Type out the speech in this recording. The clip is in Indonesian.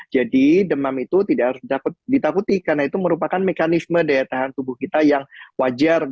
jadi demam itu tidak harus dapat ditakuti karena itu merupakan mekanisme daya tahan tubuh kita yang wajar